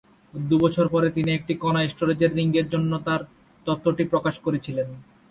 দু'বছর পরে, তিনি একটি কণা স্টোরেজ রিংয়ের জন্য তার তত্ত্বটি প্রকাশ করেছিলেন।